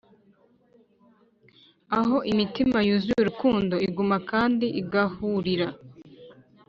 aho imitima yuzuye urukundo iguma kandi igahurira;